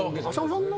そんな。